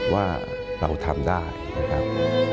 ว่าเราทำได้นะครับ